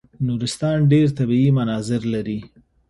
نورستان ډېر طبیعي مناظر لري.